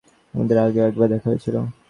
আমাদের আগেও একবার দেখা হয়েছিল।